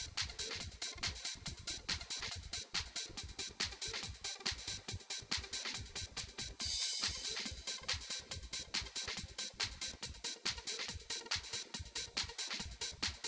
kalau banyak orang banyak maka noticing saja kakaknya kuat